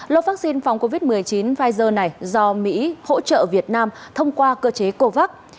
lô vaccine phòng covid một mươi chín pfizer này do mỹ hỗ trợ việt nam thông qua cơ chế covax